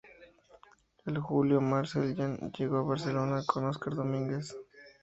En julio Marcel Jean llegó a Barcelona con Óscar Domínguez.